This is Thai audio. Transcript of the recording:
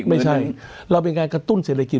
ไม่ใช่เราเป็นการกระตุ้นเศรษฐกิจ